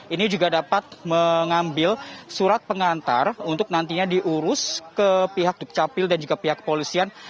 ini juga dapat mengambil surat pengantar untuk nantinya diurus ke pihak dukcapil dan juga pihak kepolisian